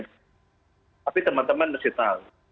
tapi teman teman mesti tahu